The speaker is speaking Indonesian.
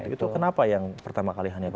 itu kenapa yang pertama kali hangat